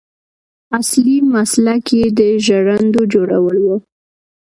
اصلي مسلک یې د ژرندو جوړول و.